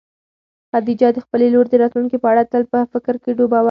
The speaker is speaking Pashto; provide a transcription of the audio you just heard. خدیجه د خپلې لور د راتلونکي په اړه تل په فکر کې ډوبه وه.